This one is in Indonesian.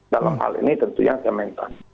dalam hal ini tentunya kementan